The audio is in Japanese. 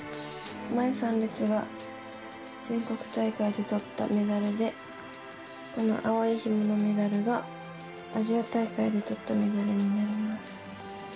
前３列が全国大会でとったメダルでこの青いひものメダルがアジア大会でとったメダルになります。